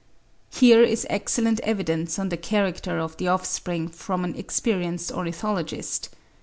(7. Here is excellent evidence on the character of the offspring from an experienced ornithologist.